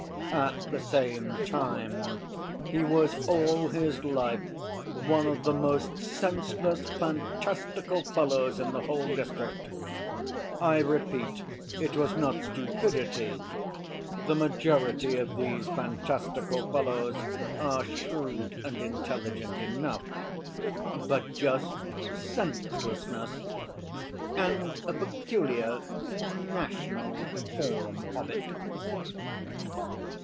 At the same time, he was all his life one of the most senseless, fantastical fellows in the whole district. I repeat, it was not stupidity—the majority of these fantastical fellows are shrewd and intelligent enough—but just senselessness, and a peculiar national form of it.